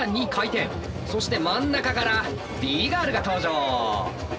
そして真ん中からＢ−ＧＩＲＬが登場。